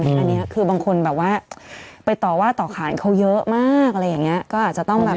อันนี้คือบางคนแบบว่าไปต่อว่าต่อขานเขาเยอะมากอะไรอย่างนี้ก็อาจจะต้องแบบ